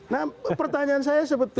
nah pertanyaan saya sebetulnya